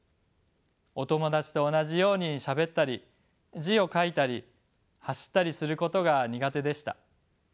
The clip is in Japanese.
お友達と同じようにしゃべったり字を書いたり走ったりすることが苦手でした。